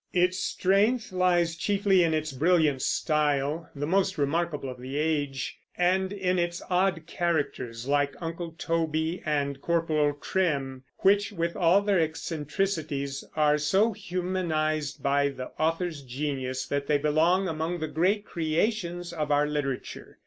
Its strength lies chiefly in its brilliant style, the most remarkable of the age, and in its odd characters, like Uncle Toby and Corporal Trim, which, with all their eccentricities, are so humanized by the author's genius that they belong among the great "creations" of our literature.